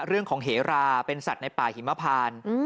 เรื่องของเหราเป็นสัตว์ในป่าหิมพาน